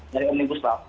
dari omnibus law